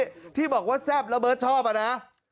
ที่ถี่บอกว่าแทรฟระเบิดชอบอะนะ